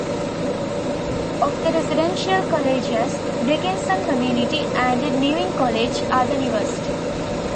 Of the residential colleges, Dickinson Community and Newing College are the newest.